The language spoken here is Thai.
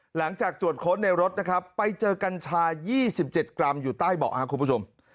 หลังจากตรวจค้นในรถนะครับไปเจอกัญชา๒๗กรัมอยู่ใต้เบาะครับคุณผู้ชม